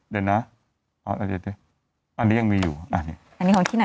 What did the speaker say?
เดี๋ยวนะ